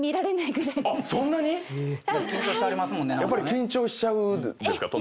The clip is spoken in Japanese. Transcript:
そんなに⁉やっぱり緊張しちゃうんですか？